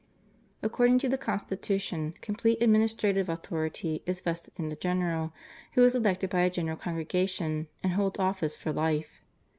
According to the constitution complete administrative authority is vested in the general, who is elected by a general congregation, and holds office for life.